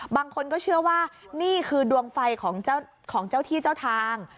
บางคนก็เชื่อว่านี่คือดวงไฟของเจ้าที่เจ้าทาง